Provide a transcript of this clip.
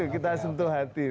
kita sentuh hati